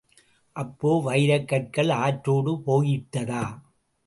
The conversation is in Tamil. அப்போ, வைரக் கற்கள் ஆற்றோடு போயிட்டதா?